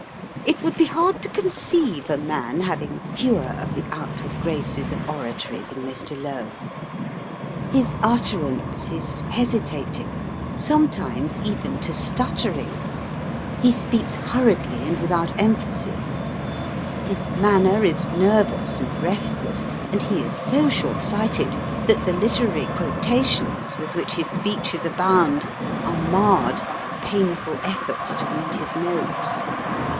It would be hard to conceive a man having fewer of the outward graces of oratory than Mr Lowe. His utterance is hesitating, sometimes even to stuttering, he speaks hurriedly, and without emphasis; his manner is nervous and restless, and he is so short sighted that the literary quotations with which his speeches abound are marred by painful efforts to read his notes.